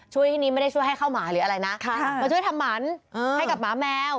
ที่นี้ไม่ได้ช่วยให้ข้าวหมาหรืออะไรนะมาช่วยทำหมันให้กับหมาแมว